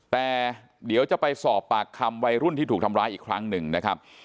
แต่เดี๋ยวจะไปสอบปากคำวัยรุ่นที่ถูกทำร้ายอีกครั้งหนึ่งนะครับ